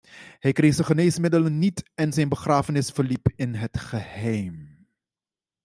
Hij kreeg zijn geneesmiddelen niet en zijn begrafenis verliep in het geheim.